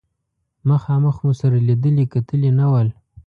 مخامخ مو سره لیدلي کتلي نه ول.